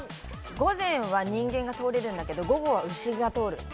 午前は人間が通れるんだけど午後は牛が通る。